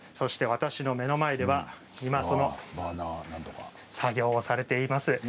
私の目の前では作業されています。